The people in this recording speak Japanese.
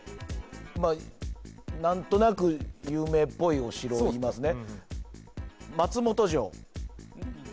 まあ何となく有名っぽいお城を言いますね・ああ